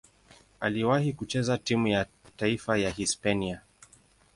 Aliwahi kucheza timu ya taifa ya Hispania.